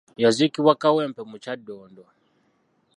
Yaziikibwa Kawempe mu Kyaddondo.